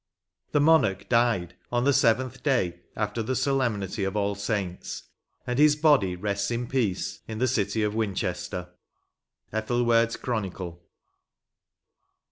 The .monarch died on the 3eventh day after the solemnity of All Saints, and his body rests in peace ii> the city of Winchester." — Ethelwerd's Chronicle.